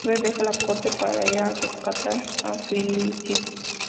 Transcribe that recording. Oliver deja la corte para ir a rescatar a Felicity.